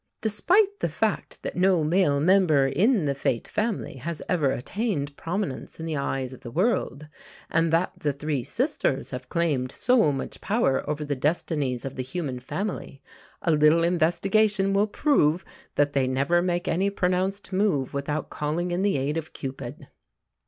Despite the fact that no male member in the "Fate" family has ever attained prominence in the eyes of the world, and that the three sisters have claimed so much power over the destinies of the human family, a little investigation will prove that they never make any pronounced move without calling in the aid of Cupid.